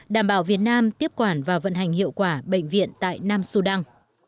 đảm bảo việt nam tiếp quản và vận hành hiệu quả bệnh viện tại nam sudan